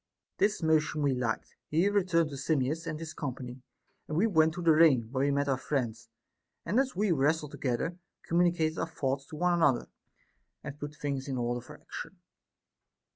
This motion we liked ; he SOCRATES'S DAEMON. 415 returned to Simmias and his company, and we went to the ring, where we met our friends, and as we wrestled together, communicated our thoughts to one another, and put things in order for action.